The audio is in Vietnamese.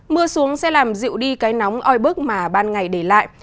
mưa xuống sẽ làm dịu đi cái nóng oi bức mà ban ngày để lại